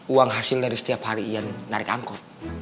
uang hasil dari setiap hari ion narik angkot